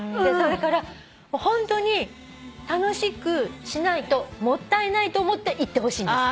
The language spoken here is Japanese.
だからホントに楽しくしないともったいないと思って行ってほしいんです。